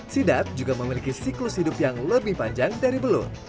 sidap juga memiliki siklus hidup yang lebih panjang dari belut